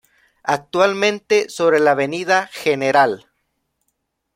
Actualmente, sobre la Avenida Gral.